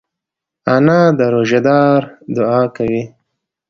انا د روژهدار دعا کوي